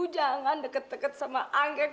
jangan deket deket sama anggrek